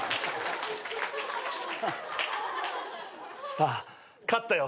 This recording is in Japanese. さあ勝ったよ。